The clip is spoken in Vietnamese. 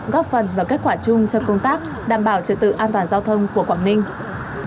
góp phần vào kết quả chung trong công tác đảm bảo trật tự an toàn giao thông của quảng ninh